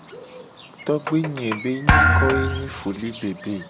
Togbe nye be nyiko ye nyi foli-bebe.